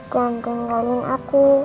jangan tinggalin aku